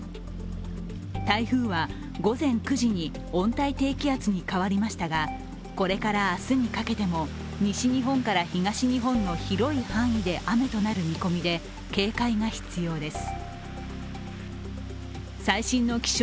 台風は午前９時に温帯低気圧に変わりましたがこれから明日にかけても西日本から東日本の雨となる見込みで、警戒が必要です